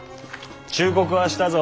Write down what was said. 忠告はしたぞ。